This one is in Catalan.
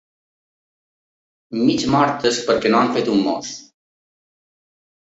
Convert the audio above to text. Mig mortes perquè no han fet un mos.